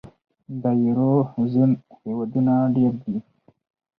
د یورو زون هېوادونه ډېر دي.